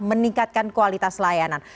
meningkatkan kualitas layanan